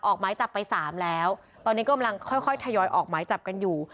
ออกหมายจับไปสามแล้วตอนนี้กำลังค่อยค่อยทยอยออกหมายจับกันอยู่